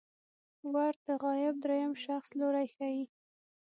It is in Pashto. ور د غایب دریم شخص لوری ښيي.